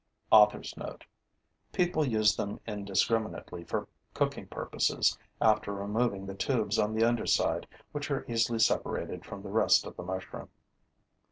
[Author's note: People use them indiscriminately for cooking purposes, after removing the tubes on the under side, which are easily separated from the rest of the mushroom.